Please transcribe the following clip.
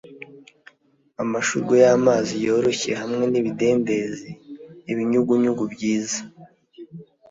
amashurwe yamazi yoroshye hamwe nibidendezi, ibinyugunyugu byiza.